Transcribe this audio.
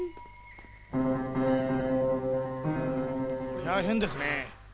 こりゃあ変ですねえ。